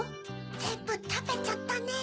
ぜんぶたべちゃったね。